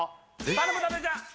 頼む伊達ちゃんおい！